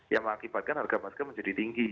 yang mengakibatkan harga masker menjadi tinggi